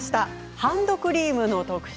ハンドクリームの特集